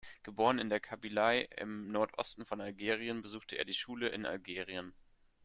Geboren in der Kabylei, im Nordosten von Algerien, besuchte er die Schule in Algerien.